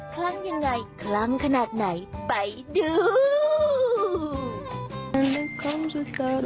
ครั้งยังไงคลั่งขนาดไหนไปดู